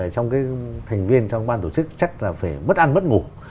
trong cái thành viên trong ban tổ chức chắc là phải mất ăn mất ngủ